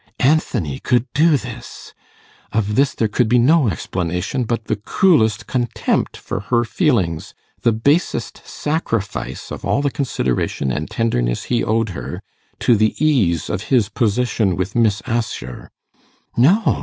Anthony could do this! Of this there could be no explanation but the coolest contempt for her feelings, the basest sacrifice of all the consideration and tenderness he owed her to the ease of his position with Miss Assher. No.